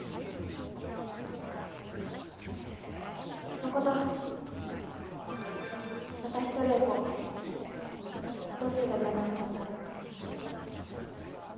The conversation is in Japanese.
誠私と怜子どっちがじゃない方なの？